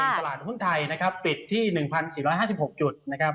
เมื่อวานนี้เองตลาดหุ้นไทยนะครับปิดที่๑๔๕๖จุดนะครับ